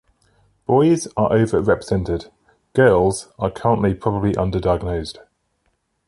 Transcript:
Boys are overrepresented; girls are currently probably underdiagnosed.